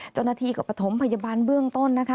เจ้าหน้าที่ก็ประถมพยาบาลเบื้องต้นนะคะ